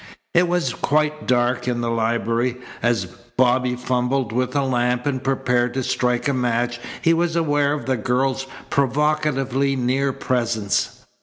It was quite dark in the library. As Bobby fumbled with the lamp and prepared to strike a match he was aware of the girl's provocatively near presence.